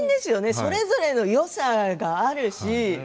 それぞれのよさがあるし。